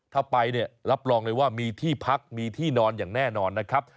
ถ้าไปเนี่ยรับรองเลยว่ามีที่พักมีที่นอนอย่างแน่นอนนะครับ